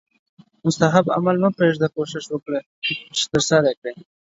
مستحب عمل هم مه پریږده کوښښ وکړه چې ترسره یې کړې